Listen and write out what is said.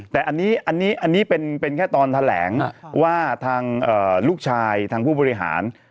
แต่อันนี้เป็นแค่ตอนแถลงว่าทางลูกชายทางผู้บริหาร